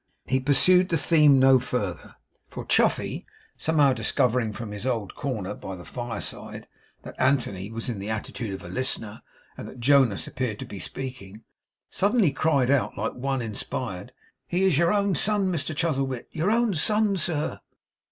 He pursued the theme no further; for Chuffey, somehow discovering, from his old corner by the fireside, that Anthony was in the attitude of a listener, and that Jonas appeared to be speaking, suddenly cried out, like one inspired: 'He is your own son, Mr Chuzzlewit. Your own son, sir!